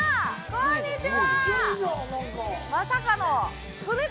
こんにちは。